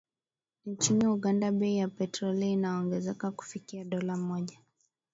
Nchini Uganda bei ya petroli imeongezeka kufikia dola moja